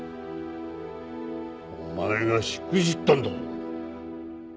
お前がしくじったんだぞ。